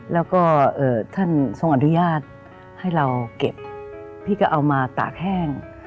แล้วก็ท่านทรงอนุญาตให้เราเก็บพี่ก็เอามาตากแห้ง